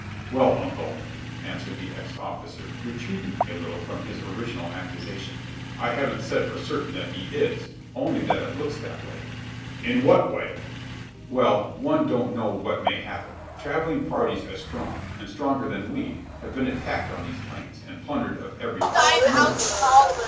"Well, uncle," answered the ex officer, retreating a little from his original accusation, "I haven't said for certain that he is; only that it looks like it." "In what way?" "Well, one don't know what may happen. Travelling parties as strong, and stronger than we, have been attacked on these plains, and plundered of every thing murdered."